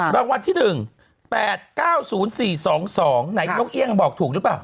รางวัลที่๑๘๙๐๔๒๒ไหนนกเอี่ยงบอกถูกหรือเปล่า